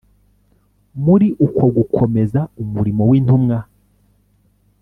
Muri uko gukomeza umurimo w intumwa